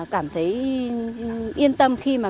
cảm thấy yên tâm khi mà